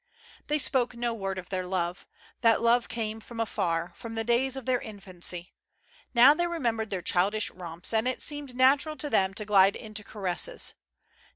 They spoke no word of their love. That love came from afar, from the days of their infancy. Now they remembered their childish romps, and it seemed natural to them to glide into caresses.